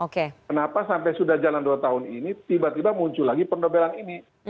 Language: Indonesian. kenapa sampai sudah jalan dua tahun ini tiba tiba muncul lagi pendobelan ini